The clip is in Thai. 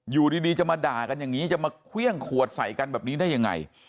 อยู่ดีจะมาด่ากันอย่างนี้จะมาเครื่องขวดใส่กันแบบนี้ได้ยังไง